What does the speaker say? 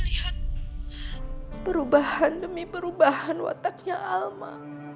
lihat perubahan demi perubahan wataknya alma